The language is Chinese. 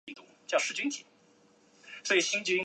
应用这个理论在相反的情况下有一个常见的误解。